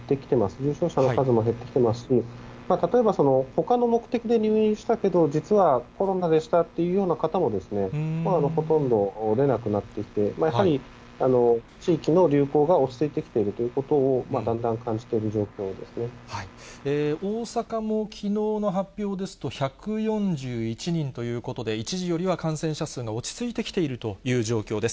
重症者の数も減ってきてますし、例えば、ほかの目的で入院したけど、実はコロナでしたというような方もほとんど出なくなってきて、やっぱり、地域の流行が落ち着いてきているということを、だんだ大阪もきのうの発表ですと、１４１人ということで、一時よりは感染者数が落ち着いてきているという状況です。